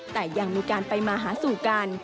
แต่ยังมีการไปมาหาสู่กัน